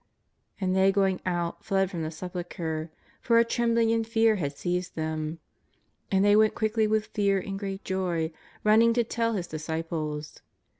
'* And they going out fled from the Sepulchre, for a treniblinor and fear had seized them. And thev went quickly with fear and great joy, running to tell His disciples.